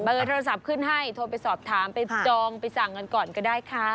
โทรศัพท์ขึ้นให้โทรไปสอบถามไปจองไปสั่งกันก่อนก็ได้ค่ะ